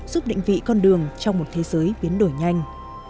giúp định vị con đường trong một thế giới biến đổi nhanh